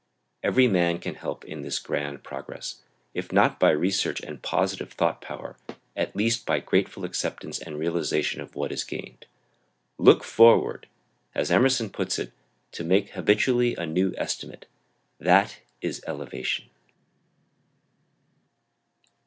Every man can help in this grand progress, if not by research and positive thought power, at least by grateful acceptance and realization of what is gained. Look forward! As Emerson puts it: "To make habitually a new estimate that is elevation."